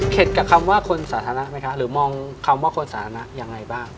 กับคำว่าคนสาธารณะไหมคะหรือมองคำว่าคนสาธารณะยังไงบ้าง